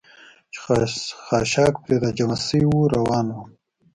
چې خاشاک پرې را جمع شوي و، روان ووم.